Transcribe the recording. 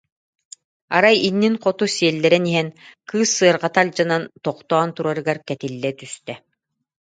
Арай иннин хоту сиэллэрэн иһэн, кыыс сыарҕата алдьанан, тохтоон турарыгар кэтиллэ түстэ